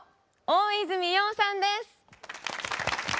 大泉洋さんです！